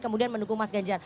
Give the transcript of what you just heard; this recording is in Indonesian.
kemudian mendukung mas ganjar